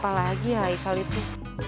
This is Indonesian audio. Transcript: apa lagi ya haikal itu